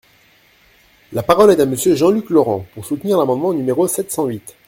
La parole est à Monsieur Jean-Luc Laurent, pour soutenir l’amendement numéro sept cent huit.